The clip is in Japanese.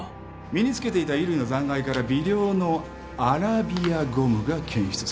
身に着けていた衣類の残骸から微量のアラビアゴムが検出された。